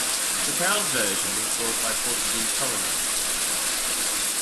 Macau's version was brought by Portuguese colonizers.